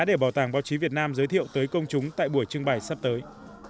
để bảo tàng báo chí việt nam giới thiệu tới công chúng tại buổi trưng bày sắp tới